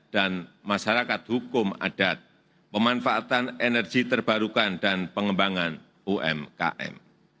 dan masyarakat hukum adat pemanfaatan energi terbarukan dan pengembangan umkm